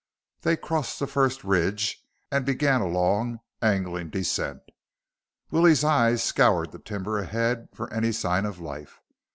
They crossed the first ridge and began a long, angling descent. Willie's eyes scoured the timber ahead for any sign of life.